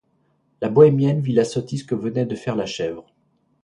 La bohémienne vit la sottise que venait de faire la chèvre.